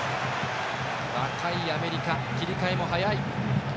若いアメリカ、切り替えも早い。